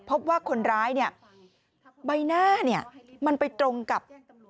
พบว่าคนร้ายเนี่ยใบหน้าเนี่ยมันไปตรงกับ